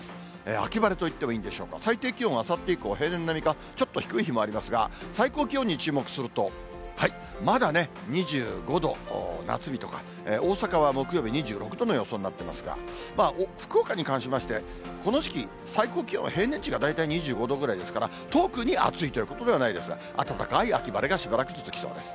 秋晴れといってもいいんでしょうか、最低気温はあさって以降、平年並みか、ちょっと低い日もありますが、最高気温に注目すると、まだね、２５度、夏日とか、大阪は木曜日２６度の予想になっていますが、福岡に関しまして、この時期、最高気温、平年値が大体２５度ぐらいですから、特に暑いということではないですが、暖かい秋晴れがしばらく続きそうです。